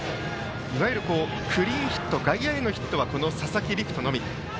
いわゆるクリーンヒット外野へのヒットはこの佐々木陸仁のみ。